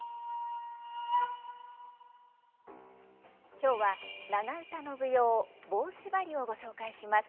今日は長唄の舞踊「棒しばり」をご紹介します。